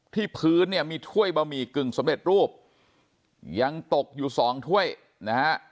พื้นเนี่ยมีถ้วยบะหมี่กึ่งสำเร็จรูปยังตกอยู่สองถ้วยนะฮะ